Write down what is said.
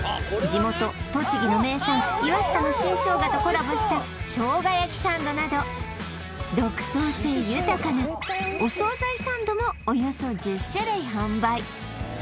地元栃木の名産岩下の新生姜とコラボした生姜焼きサンドなど独創性豊かなお惣菜サンドもおよそ１０種類販売